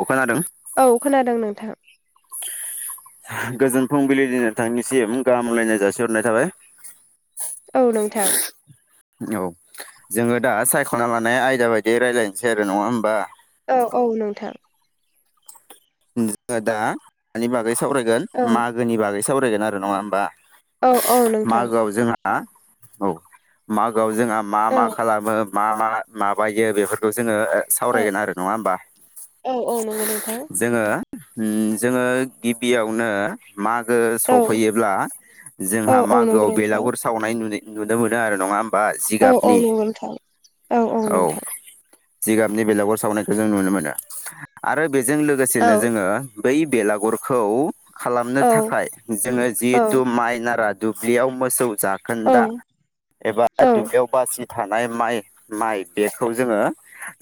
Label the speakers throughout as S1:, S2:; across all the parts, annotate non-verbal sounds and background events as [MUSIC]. S1: औ खोनादों।
S2: औ खोनादों नोंथां।
S1: गोजोन फुंबिलिनि नोंथांनिसिम गाहाम हामलायनाय जासिहरनाय थाबाय।
S2: औ नोंथां।
S1: औ जोङो दा सायख'ना लानाय आयदा बायदि रायलायनोसै आरो नङा होमबा।
S2: औ औ नोंथां।
S1: जोंहा दा मानि बागै सावरायगोन
S2: औ
S1: मागोनि बागै सावरायगोन आरो नङा होमबा।
S2: औ औ नोंथां
S1: मागोआव जोंहा औ मागोआव जोंहा मा
S2: औ
S1: मा खालामो? मा मा माबायो बेफोरखौ जोङो
S2: औ
S1: सावरायगोन आरो नङा होमबा।
S2: औ औ नंगौ नोंथां।
S1: जोङो उम जोङो गिबियावनो मागो
S2: औ
S1: सफैयोब्ला
S2: औ
S1: जोंहा
S2: औ नंगौ
S1: मागोआव
S2: नोंथां
S1: बेलागुर सावनाय नुनाय नुनो मोनो आरो नङा होम बा
S2: औ औ
S1: जिगाबनि
S2: नंगौ नोंथां
S1: औ जिगाबनि बेलागुर सावनायखौ जों नुनो मोनो आरो बेजों
S2: औ
S1: लोगोसेनो जोङो बै बेलागुरखौ खालामनो
S2: औ
S1: थाखाय जोङो
S2: औ
S1: जिहेथु माइ नाराद दुब्लियाव मोसौ
S2: औ
S1: जाखोन्दा एबा
S2: औ
S1: दुब्लियाव बासि थानाय माइ-माइ बेखौ जोङो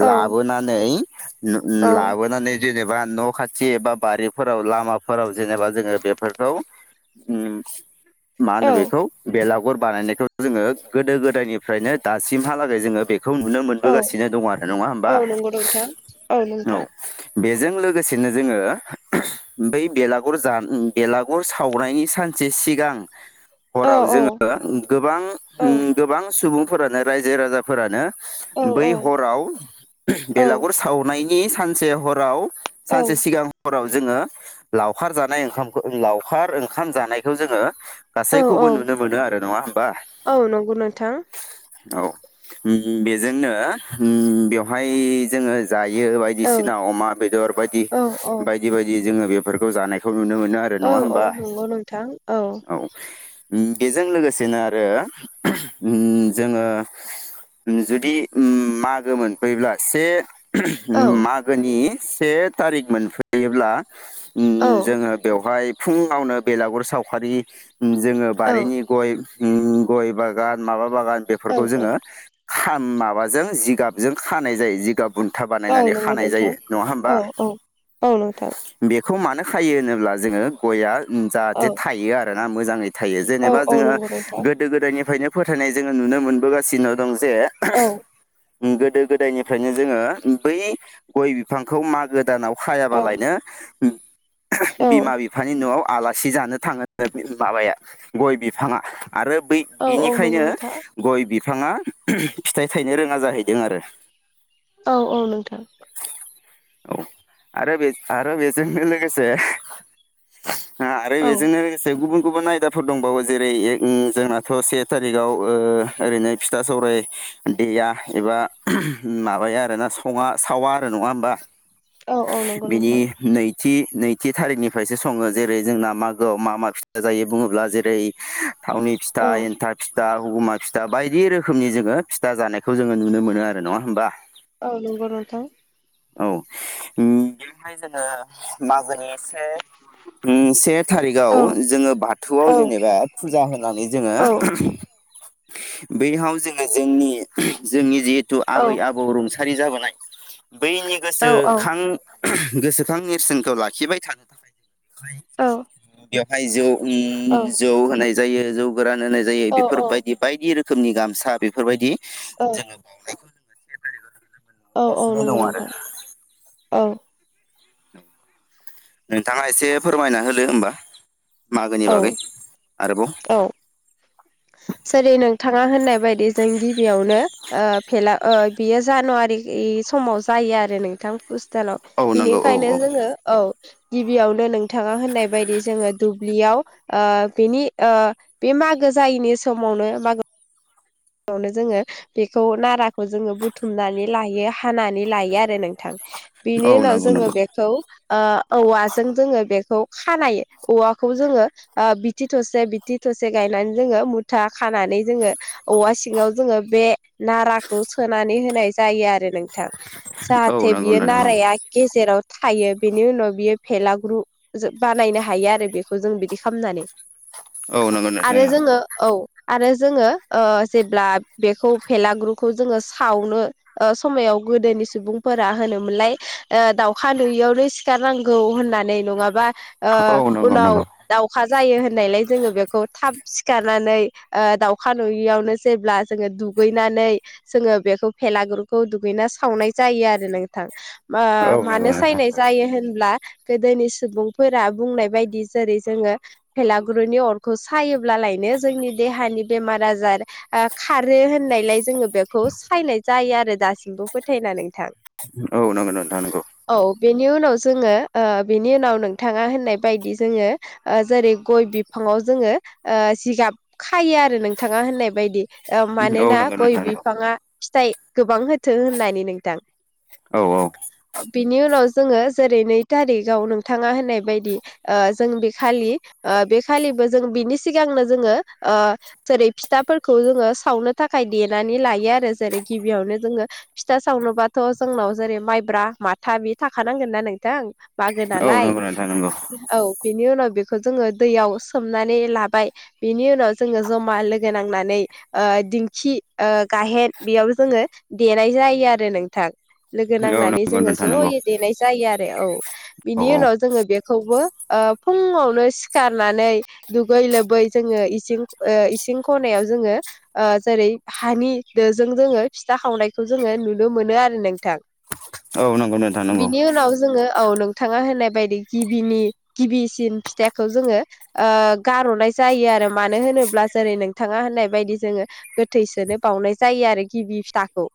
S2: औ
S1: लाबोनानै-लाबोनानै जेनेबा न' खाथि एबा बारिफोराव लामाफोराव जेनेबा जोङो बेफोरखौ उम मा
S2: औ
S1: होनो बेखौ बेलागुर बानायनायखौ जोङो गोदो गोदायनिफ्रायनो दासिमहालागै जोङो बे खौ नुनो
S2: औ
S1: मोनबोगासिनो दं आरो नङा
S2: औ
S1: होमबा
S2: नंगौ नोंथां
S1: औ।
S2: नोंथां
S1: बेजों लोगोसेनो जोङो बै बेलागुर जा बेलागुर सावनायनि सान से सिगां
S2: औ
S1: हराव
S2: औ
S1: जोङो
S2: औ
S1: गोबां-गोबां सुबुंफोरानो रायजो राजाफोरानो
S2: औ
S1: बै हराव बेलागुर सावनायनि सानसे हराव
S2: औ
S1: सानसे सिगां हराव जोङो लावखार जानाय ओंखामखौ लावखार ओंखाम जानायखौ जोङो
S2: औ
S1: गासैखौबो नुनो मोनो आरो नङा होमबा
S2: औ नंगौ नोंथां
S1: औ बेजोंनो बेवहाय जोङो जायो
S2: औ
S1: बायदिसिना अमा बेदर बायदि
S2: औ औ
S1: बायदि-बायदि जोङो बेफोरखौ जानायखौ नुनो मोनो आरो नङा
S2: औ
S1: होमबा
S2: नंगौ नोंथां
S1: औ बेजों लोगोसेनो आरो जोङो जुदि मागोमोनफैब्ला से
S2: औ
S1: मागोनि से थारिख मोनफैयोब्ला उम
S2: औ
S1: जोङो बेवहाय फुङावनो बेलागुर सावखालि जोङो
S2: औ
S1: बारिनि गय उम गय बागान माबा बागान
S2: औ
S1: बेफोरखौ
S2: औ
S1: जोङो खा माबाजों जिगाबजों खानाय जायो जिगाब बुन्था
S2: औ
S1: बानायनानै
S2: नंगौ
S1: खानाय
S2: नोंथां
S1: जायो नङा होनबा
S2: औ औ औ नोंथां
S1: बेखौ मानो खायो होनोब्ला जोङो गया
S2: औ
S1: जाहाथे थायो आरोना मोजाङै थायो
S2: औ
S1: जेनेबा
S2: औ
S1: जोङो
S2: नंगौ नोंथां
S1: गोदो गोदायनिफ्रायनो फोथायनाय जोङो नुनो मोनबोगासिनो दं जे
S2: औ
S1: गोदो-गोदायनिफ्रायनो जोङो बै गय बिफांखौ मागो दानाव
S2: औ
S1: खायाबालायनो
S2: औ
S1: बिमा-बिफानि न'आव आलासि जानो था ङो माबाया गय बिफाङा आरो बै
S2: औ औ नंगौ
S1: बिनिखायनो
S2: नोंथां
S1: गय बिफाङा फिथाइ थायनो रोङा जाहैदों आरो
S2: औ-औ नोंथां
S1: औ आरो बे आरो बेजोंनो लोगोसे आरो
S2: औ
S1: बेजोंनो लोगोसे गुबुन-गुबुन आयदा फोर दंबावो जेरै एक जोंनाथ' से थारिखाव ओ ओरैनो फिथा-सौराय देया एबा माबाया आरोना सङा सावा आरो नङा होमबा
S2: औ औ नंगौ
S1: बिदि
S2: नोंथां
S1: नै थि नैथि थारिखनिफ्रायसो सङो जेरै जोंना मागोआव मा मा फिथसा जायो बुङोब्ला जेरै थावनि फिथा
S2: औ
S1: एन्थाब फिथा हगुमा फिथा बायदि रोखोमनि जोङो फिथा जानायखौ जोङो नुनो मोनो आरो नङा होमबा
S2: औ नंगौ नोंथां
S1: औ बेहाय जोङो मागोनि से उम से थारिखाव
S2: औ
S1: जोङो
S2: औ
S1: बाथौआव जेनेबा फुजा होनानै जोङो
S2: औ [INAUDIBLE]
S1: बैयाव जोङो जोंनि जोंनि जिहेथु
S2: औ
S1: आबै-आबौ रुंसारि जाबोनाय बैनि
S2: औ
S1: गोसोखां-गोसोखां नेरसोनखौ लाखिबाय थानो थाखाय
S2: औ
S1: बेवहाय जौ उम जौ होनाय जायो जौ गोरान होनाय जायो
S2: औ
S1: बेफोरबायदि बायदि रोखोमनि गामसा बेफोरबायदि जोङो बावनायखौ
S2: औ
S1: गोबां
S2: नंगौ
S1: दं आरो
S2: नोंथां औ
S1: औ, नोंथाङा एसे फोरमायना होदो होमबा। मागोनि
S2: औ
S1: बागै आरोबाव
S2: - औ जेरैनोंथाङा होननाय बायदि जों गिबियावनो फेला बियो जानुवारि ए समाव जायो आरो नोंथां हस्टेलाव
S1: औ नंगौ औ
S2: बिनिखायनो
S1: औ
S2: जोङो औ गिबियावनो नोंथाङा होननाय बायदि जोङो द यावनि बे मागो जायैनि समावनो म नो जोङो बेखौ नाराखौ जोङो बुथुमनानै लायो हानानै लायो आरो नों थां, बिनि
S1: औ
S2: उनाव
S1: नंगौ
S2: जोङो
S1: नंगौ
S2: बे खौ ओ औवाजों जोङो बेखौ खानाय औवाखौ जोङो ओ बिथि थसे बिथि थसे गायनानै जोङो मुथा खानानै जोङो औवा सिङाव जोङो बे नाराखौ सोनानै होनाय जायो आरो नोंथां।
S1: औ
S2: जाहाथे
S1: नंगौ
S2: बियो
S1: नोंथां
S2: नाराया गेजेराव थायो बेनि उनाव बियो फेलाग्रु बानायनो हायो आरो बेखौ जों बिदि खालामनानै
S1: औ नंगौ नोंथां
S2: आरो
S1: नंगौ
S2: जोङो औ आरो जोङो ओ जेब्ला बेखौ फेलाग्रुखौ जोङो सावनो ओ समायाव गोदोनि सुबुंफोरा होनोमोनलाय ओ दाउखा नुयियावनो सिखारनांगौ होननानै। नङाबा ओ
S1: औ नंगौ
S2: उनाव
S1: नंगौ
S2: दाउखा जायो होननायलाय जोङो बेखौ थाब सिखारनानै ओ दाउ खा नुयियावनो जेब्ला जोङो दुगैनानै जोङो बेखौ भेलागुरुखौ दुगैना सावनाय जायो आरो नोंथां। ओ
S1: औ
S2: मानो
S1: नंगौ नोंथां
S2: सायनाय जायो होनब्ला गोदोनि सुबुंफोरा बुंनाय बायदि जेरै जोङो भेलागुरुनि अरखौ सायोब्लालायनो जोंनि देहानि बेमार-आजार ओ खारो होननायलाय जोङो बेखौ सायनाय जायो आरो दासिमबो फोथायना नोंथां।
S1: औ नंगौ नोंथां नंगौ।
S2: औ बेनि उनाव जोङो ओ बेनि उनाव नोंथाङा होननाय बायदि जोङो ओ जेरै गय बिफाङाव जोङो ओ जिगाब खायो आरो नोंथाङा होननाय बायदि।
S1: औ
S2: मानोना
S1: नंगौ
S2: गय
S1: नोंथां नंगौ
S2: बिफाङा फिथाइ गोबां हो थो होननानै नोंथां।
S1: औ औ
S2: बिनि उनाव जोङो जेरै नै थारिखाव नोंथाङा होननाय बायदि ओ जों बे खालि ओ बेखालिबो जों बिनि सिगांनो जोङो ओ जेरै फिथाफोरखौ जोङो सावनो थाखाय देनानै लायो आरो जेरै गिबियावनो जोङो फिथा सावनोबाथ' जोंनाव जेरै माइब्रा, माथा बे थाखानांगोन ना नोंथां। मागो
S1: औ
S2: नालाय
S1: नंगौ नोंथां नंगौ
S2: औ बिनि उनाव बेखौ जोङो दैयाव सोमनानै लाबाय बिनि उनाव जोङो जमा लोगो नांनानै ओ दिंखि ओ गाहेन बेयाव जोङो देनाय जायो आरो नोंथां। लोगो
S1: औ नंगौ
S2: नांनानै
S1: नोंथां
S2: जोङो
S1: नंगौ
S2: ज'यै देनाय जायो आरो औ बिनि
S1: औ
S2: उनाव जोङो बेखौबो ओ फुङावनो सिखारनानै दुगै लोबै जोङो इसिं ओ इसिं खनायाव जोङो ओ जेरै हानि दोजों जोङो फिथा खावनायखौ जोङो नुनो मोनो आरो नोंथां।
S1: औ नंगौ नोंथां नंगौ
S2: बिनि उनाव जोङो औ नों थाङा होनाय बायदि गिबिनि गिबिसिन फिथाइखौ जोङो ओ गार'नाय जायो आरो मानो होनोब्ला जेरै नोंथाङा होननाय बायदि जोङो गोथैसोनो बावनाय जायो आरो गिबि फिथाखौ।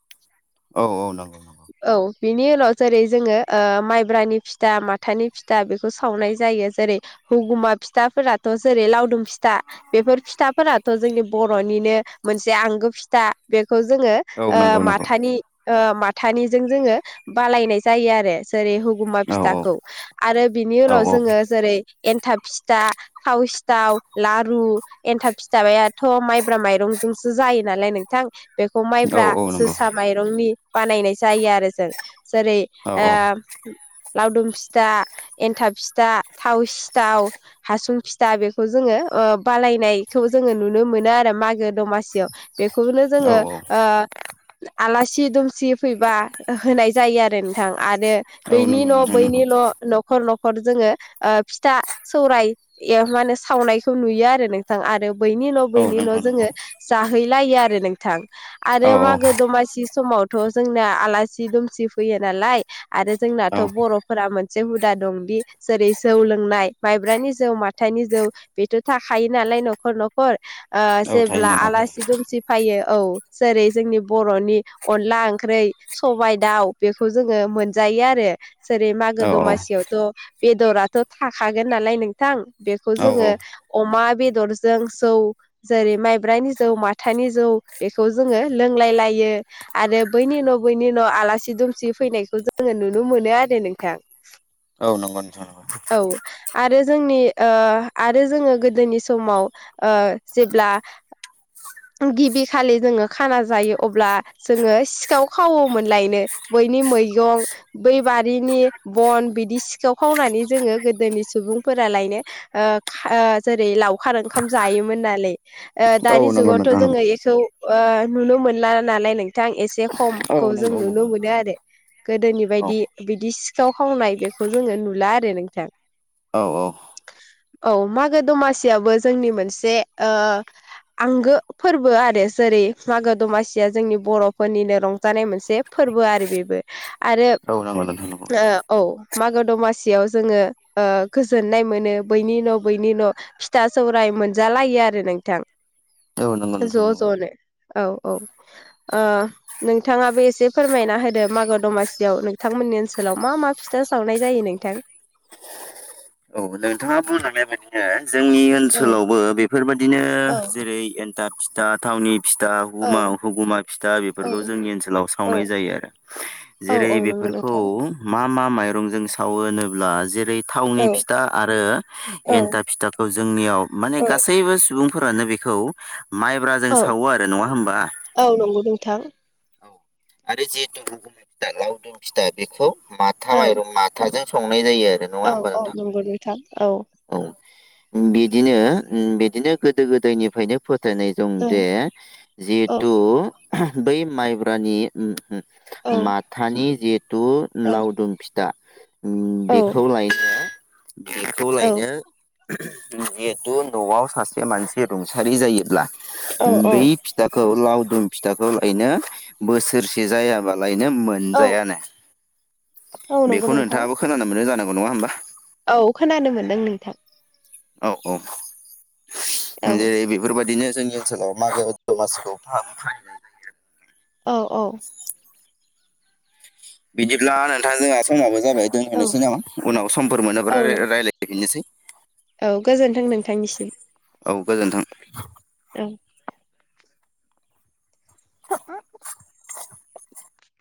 S1: औ औ नांगौ।
S2: औ बिनि उनाव जेरै जोङो ओ माइब्रानि फिथा, माथानि फिथा बे सावनाय जायो जेरै हुगुमा फिथाफोराथ' जेरै लावदुम फिथा बेफोर फिथाफोराथ' जोंनि बर'निनो मोनसे आंगो फिथा बेखौ जोङो
S1: औ नंगौ नंगौ
S2: माथानि माथानिजों जोङो बालायनाय जायो आरो जेरै गुमा
S1: औ
S2: फिथाखौ
S1: औ
S2: आरो बिनि
S1: औ
S2: उनाव
S1: औ
S2: जोङो जेरै एन्थाब फिथा थाव सिथाव लारु एन्थाब फिथाबायाथ' माइब्रा माइरंजोंसो जायो नालाय नों बिथां बेखौ
S1: औ
S2: माइब्रा
S1: औ नंगौ
S2: जोसा माइरंनि बानायनाय जायो आरो जों, जेरै-
S1: औ औ
S2: ओ लावदुम फिथा, एन्थाब फिथा, थाव सिथाव हासुं फिथा बेखौ जोङो ओ बालायनायखौ जोङो नुनो मोनो आरो मागो दमासियाव बेखौनो
S1: औ
S2: जोङो
S1: औ
S2: ओ आलासि-दुमसि फैबा होनाय जायो आरो नोंथां आरो
S1: औ
S2: बायनि
S1: नंगौ
S2: न'
S1: नोंथां
S2: बायनि
S1: नंगौ
S2: न' न'खर न'खर जोङो फिथा सौराय माने सावनायखौ नुयो आरो नों। नोंथां आरो बैनि न'
S1: औ
S2: बैनि न'
S1: नोंथां नंगौ
S2: जोङो जाहैलायो आरो नोंथां। आरो
S1: औ
S2: मागो दमासि समावथ' जोंना आलासि दुमसि फैयो नालाय आरो
S1: औ
S2: जोंनाथ' बर' फोर मोनसे हुदा दंदि जेरै जौ लोंनाय माइब्रानि जौ माथाइनि जौ बेथ' थाख खायो नालाय न'खर न'खर
S1: औ थायो
S2: जेब्ला
S1: नोंथां
S2: आलासि
S1: औ
S2: दुमसि फैयो औ जेरै जोंनि बर'नि अनला ओंख्रि सबायाइ दाउ बेखौ जोङो मोनजायो आरो। जेरै मागो
S1: औ
S2: दमासियावथ' बेदराथ' थाखागोन नालाय नोंथां। बेखौ
S1: औ
S2: जोङो अमा बेदरजों सौ। जेरै माइब्रानि जौ माथानि जौ बेखौ जोङो लोंलाय लायो। आरो बैनि उनाव बैनि उनाव आलासि दुमसि फैनायखौ जोङो नुनो मोनो आरो नोंथां। [INAUDIBLE]
S1: औ नंगौ नोंस नंगौ।
S2: औ आरो जोंनि आरो जोङो गोदोनि समाव जेब्ला। गिबि खालि जोङो खाना जायो अब्ला। जोङो सिखाव खावोमोन लायनो बैनि मैगं। बै बारिनि बन बिदि सिखाव खावनानै जोङो गोदोनि सुबुंफोरालायनो। जेरै लावखार ओंखाम जायोमोन नालाय
S1: औ
S2: दानि
S1: नंगौ
S2: जुगाव। थ'
S1: नोंथां
S2: जोङो
S1: नंगौ
S2: बेखौ नुनो मोनला नालाय नोंथां एसे
S1: औ
S2: खमखौ जों
S1: नंगौ नंगौ
S2: नुनो मोनो आरो। गोदोनि
S1: औ
S2: बायदि बिदि सिखाव खावनाय बेखौ जोङो नुला आरो नोंथां।
S1: औ औ।
S2: औ मागो दमासियाबो जोंनि मोनसे आंगो। फोरबो आरो जेरै मागो दमासिया जोंनि बर'फोरनिनो रंजानाय मोनसे फोरबो आरो बेबो। आरो।
S1: [INAUDIBLE]
S2: औ मागो दमासियाव जोङो गोजोननाय मोनो बैनि न' बैनि न'। फिथा सौराय मोनजालायो आरो नोंथां।
S1: औ नंगौ नोंथां
S2: ज'
S1: नंगौ
S2: ज'नो औ औ आ। नोंथाङाबो एसे फोरमायना होदो मागो दमासियाव नोंथांमोननि ओनसोलाव मा मा फिथा सावनाय जायो नोंथां।
S1: औ नोंथाङा बुंनानैबायाददिनो जोंनि
S2: औ
S1: ओनसोलावबो बे। बेफोरबायदिनो
S2: औ
S1: जेरै एन्थाब फिथा थावनि फिथा।
S2: औ
S1: हुगुमा हुगुमा फिथा
S2: औ
S1: बेफोरखौ जोंनि ओनसोलाव
S2: औ
S1: सावनाय जायो आरो।
S2: औ
S1: जेरै
S2: औ नंगौ
S1: बेफोरखौ
S2: नोंथां
S1: मा मा माइरंजों सावो होनोब्ला जेरै थाव।
S2: औ
S1: फिथा आरो
S2: औ
S1: एन्था फिथाखौ जोंनियाव माने
S2: औ
S1: गासैबो सुबुंफोरानो बेखौ। माइब्रााजों
S2: औ
S1: सावो आरो नङा होनबा।
S2: औ नंगौ नोंथां।
S1: औ आरो जिेतुुमा फिथा लावदुम फिथा बेखौ माथा
S2: औ
S1: माइरं म थाजों संनाय जायो आरो नङा
S2: औ
S1: होमबा
S2: औ
S1: नोंथां?
S2: नंगौ नोथां औ
S1: औ बिदिनो ओम बिदिनो गोदो गोदायनिफ्रायनो फोथायनाय जों
S2: औ
S1: दे
S2: औ
S1: जिहेथु बै माइब्रानि
S2: औ
S1: माथानि जिहेथु
S2: औ
S1: लावदुम फिथ दा
S2: औ
S1: बेखौ लायनो बेखौ लायनो। जिहेतु न'आव सासे मानसि रुंसारि जायोब्ला
S2: औ
S1: बै।
S2: औ
S1: फिथाखौ लावदुम फिथाखौ लायनो बोसोरसे जायाबा लायनो मोन।
S2: औ
S1: मोनजायानो
S2: औ नंगौ
S1: बेखौ
S2: नोंथां
S1: नोंथाङाबो खोनानो मोनो जानांगौ नङा होमबा।
S2: औ खोनानो मोनदों नोंथां।
S1: औ औ जेरै
S2: औ
S1: [UNINTELLIGIBLE] बेफोरबायदिनो जोंनि ओनसोलाव मागो दमासिखौ फाहामो फालियो
S2: औ औ
S1: बिदिब्ला नोंथांजोंहा समाबो जाबाय
S2: औ
S1: दोनहनोसै नामा उनाव समफोर
S2: औ
S1: मोनोब्ला
S2: नोंथां
S1: रायजलायफिननोसै
S2: औ गोजोन्थों नोंथांनिसिम
S1: औ गोजोन्थों
S2: औ [UNINTELLIGIBLE]